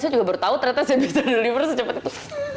saya juga baru tahu ternyata saya bisa deliver secepat itu